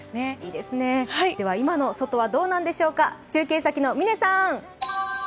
では今の外はどうなんでしょうか、嶺さん。